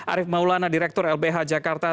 arief maulana direktur lbh jakarta